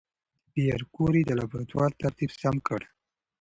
پېیر کوري د لابراتوار ترتیب سم کړ.